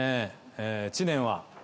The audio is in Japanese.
知念は？